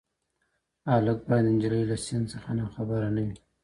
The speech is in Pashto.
هلک بايد د نجلۍ له سن څخه ناخبره نه وي.